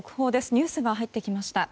ニュースが入ってきました。